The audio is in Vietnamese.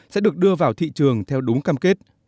sẽ được đưa vào thị trường theo đúng cam kết